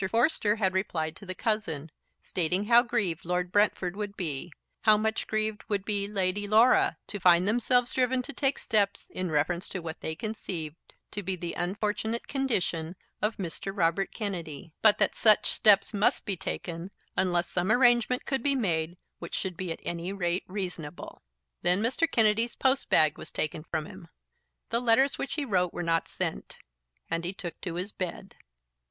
Forster had replied to the cousin, stating how grieved Lord Brentford would be, how much grieved would be Lady Laura, to find themselves driven to take steps in reference to what they conceived to be the unfortunate condition of Mr. Robert Kennedy; but that such steps must be taken unless some arrangement could be made which should be at any rate reasonable. Then Mr. Kennedy's post bag was taken from him; the letters which he wrote were not sent; and he took to his bed.